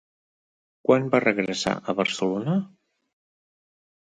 Quan va regressar a Barcelona?